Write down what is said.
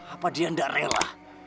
apa dia tidak rela